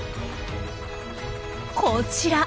こちら。